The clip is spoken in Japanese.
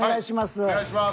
お願いします。